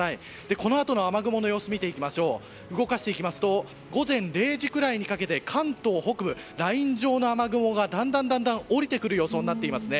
このあとの雨雲の様子動かしていきますと午前０時くらいにかけて関東北部ライン状の雨雲がだんだん下りてくる予想になっていますね。